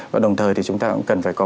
và đồng thời thì chúng ta cũng cần phải có